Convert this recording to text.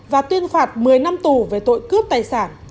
và tuyên phạt một mươi năm tù về tội cướp tài sản